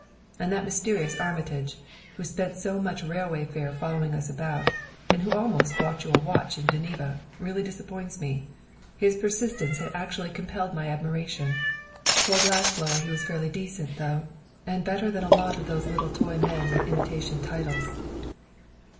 And that mysterious Armitage, who spent so much railway fare following us about, and who almost bought you a watch in Geneva, really disappoints me. His persistence had actually compelled my admiration. For a glass blower he was fairly decent, though, and better than a lot of these little toy men with imitation titles."